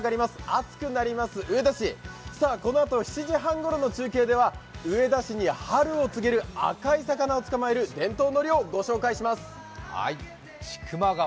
暑くなります上田市、このあと７時半ごろの中継では上田市に春を告げる赤い魚を捕まえる伝統の漁をご紹介します。